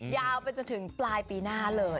ยาวไปจนถึงปลายปีหน้าเลย